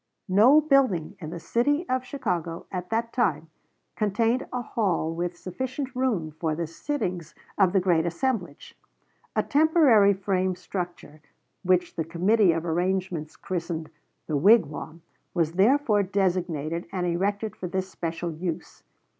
No building in the city of Chicago at that time contained a hall with sufficient room for the sittings of the great assemblage. A temporary frame structure, which the committee of arrangements christened "The Wigwam," was therefore designed and erected for this special use.